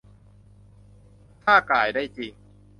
ถ้าก่ายได้จริง